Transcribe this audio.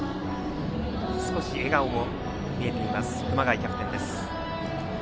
少し笑顔も見えています熊谷キャプテン。